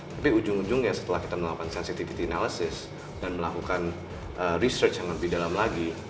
tapi ujung ujungnya setelah kita melakukan sensitivity analysis dan melakukan research yang lebih dalam lagi